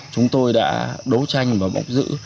chúng tôi đã đấu tranh và bọc giữ